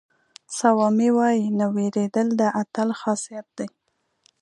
سوامي وایي نه وېرېدل د اتل خاصیت دی.